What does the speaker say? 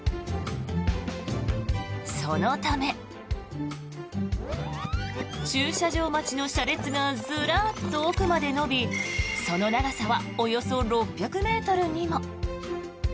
そのため駐車場待ちの車列がずらっと奥まで延びその長さはおよそ６００ｍにも。